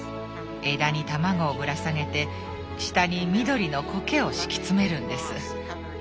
枝に卵をぶら下げて下に緑のコケを敷き詰めるんです。